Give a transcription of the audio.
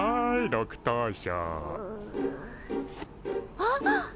あっ！